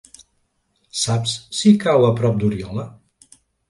Saps si cau a prop d'Oriola?